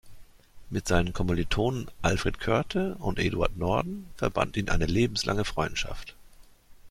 Mit seinen Kommilitonen Alfred Körte und Eduard Norden verband ihn eine lebenslange Freundschaft.